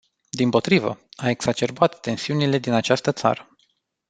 Dimpotrivă, a exacerbat tensiunile din această țară.